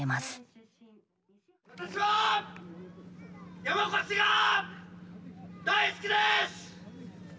私は山古志が大好きです！